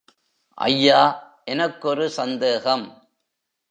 ஐயா எனக்கொரு சந்தேகம்.